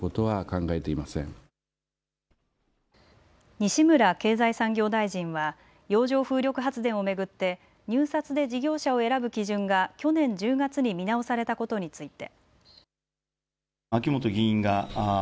西村経済産業大臣は洋上風力発電を巡って入札で事業者を選ぶ基準が去年１０月に見直されたことについて。